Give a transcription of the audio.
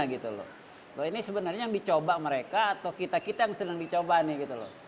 kalau ini sebenarnya yang dicoba mereka atau kita kita yang sedang dicoba nih gitu loh